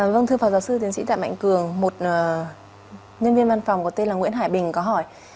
vâng thưa phó giáo sư tiến sĩ tạ mạnh cường một nhân viên văn phòng có tên là nguyễn hải bình có hỏi